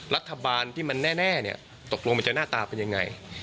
รัฐบาลที่มันแน่ตกลงมันจะหน้าตาเป็นยังไง